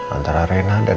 antara rena dan